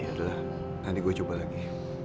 adalah nanti gue coba lagi